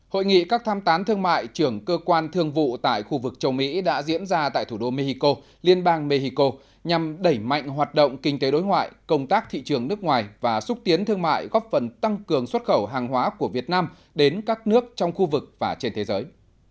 hội nghị các tham tán thương mại trưởng cơ quan thương vụ tại khu vực châu mỹ đã diễn ra tại thủ đô mexico liên bang mexico nhằm đẩy mạnh hoạt động kinh tế đối ngoại công tác thị trường nước ngoài và xúc tiến thương mại góp phần tăng cường xuất khẩu hàng hóa của việt nam đến các nước trong khu vực và trên thế giới